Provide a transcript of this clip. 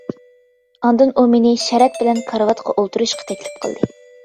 ئاندىن ئۇ مېنى شەرەت بىلەن كارىۋاتقا ئولتۇرۇشقا تەكلىپ قىلدى.